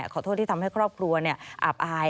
ขอโทษที่ทำให้ครอบครัวอับอาย